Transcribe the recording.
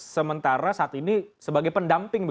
sementara saat ini sebagai pendamping